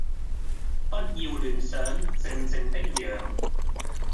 不要亂想，靜靜的養！